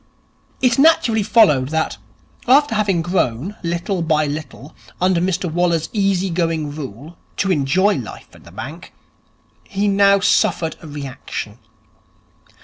It naturally followed that, after having grown, little by little, under Mr Waller's easy going rule, to enjoy life in the bank, he now suffered a reaction.